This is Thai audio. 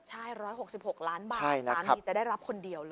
ใช่๑๖๖ล้านบาทสามีจะได้รับคนเดียวเลย